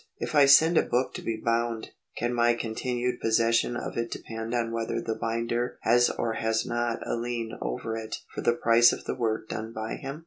If I send a book to be bound, can my continued possession of it depend on whether the binder has or has not a lien over it for the price of the work done by him